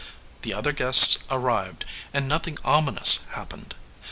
The other guests arrived, and nothing ominous happened.